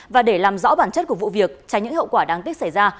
và để làm rõ bản chất của vụ việc tránh những hậu quả đáng tiếc xảy ra